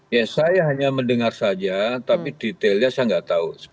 ya saya hanya mendengar saja tapi detailnya saya nggak tahu